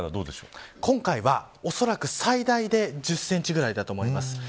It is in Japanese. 今回は、おそらく最大で１０センチぐらいだと思います。